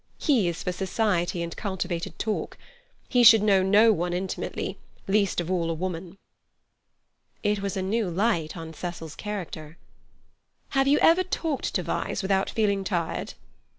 He is for society and cultivated talk. He should know no one intimately, least of all a woman." It was a new light on Cecil's character. "Have you ever talked to Vyse without feeling tired?"